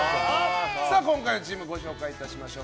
今回のチームご紹介いたしましょう。